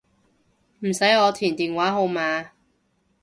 唔使我填電話號碼